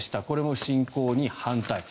これも侵攻に反対。